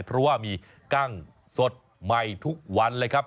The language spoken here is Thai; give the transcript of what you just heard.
เพราะว่ามีกั้งสดใหม่ทุกวันเลยครับ